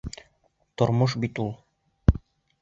Тормош бит ул.